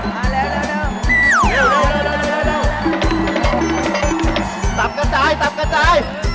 ตับกระจายตับกระจาย